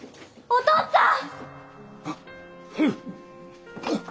お俊さん。